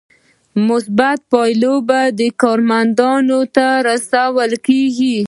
مثبته پایله یې کارمندانو ته رسول کیږي.